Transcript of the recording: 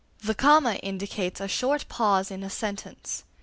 The comma indicates a short pause in a sentence.